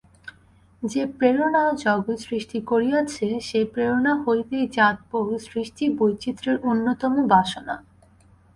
যে প্রেরণা জগৎ সৃষ্টি করিয়াছে, সেই প্রেরণা হইতেই জাত বহু সৃষ্টি-বৈচিত্র্যের অন্যতম বাসনা।